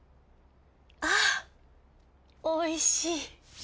あおいしい。